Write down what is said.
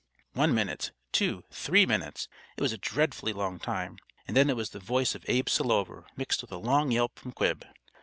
One minute, two, three minutes, it was a dreadfully long time, and then it was the voice of Abe Selover mixed with a long yelp from Quib.